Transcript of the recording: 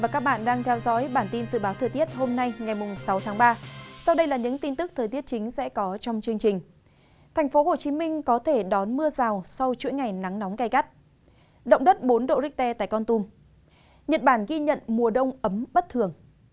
các bạn hãy đăng ký kênh để ủng hộ kênh của chúng mình nhé